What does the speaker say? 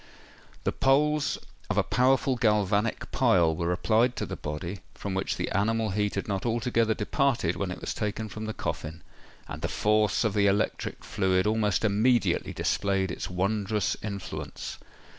The poles of a powerful galvanic pile were applied to the body, from which the animal heat had not altogether departed when it was taken from the coffin; and the force of the electric fluid almost immediately displayed its wondrous influence.